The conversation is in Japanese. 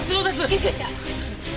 救急車！